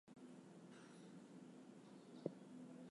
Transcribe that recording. One of the sites has active badger setts.